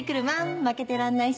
負けてらんないし。